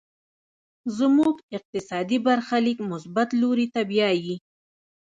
زموږ اقتصادي برخليک مثبت لوري ته بيايي.